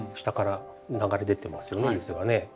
下から流れ出てますよね水がね。